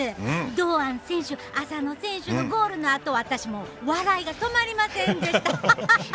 堂安選手、浅野選手のゴールのあと私、笑いが止まりませんでした。